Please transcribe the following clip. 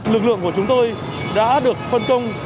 lực lượng của chúng tôi đã được phân công